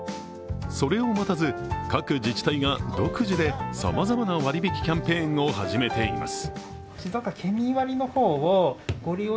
それを待たず各自治体が独自でさまざまな割引キャンペーンを始めています。